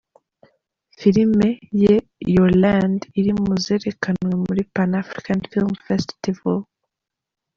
Filime ye ‘Your Land’ iri mu zerekanwe muri Pan African Film Festival.